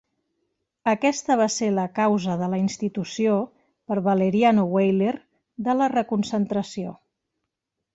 Aquesta va ser la causa de la institució, per Valeriano Weyler, de la reconcentració.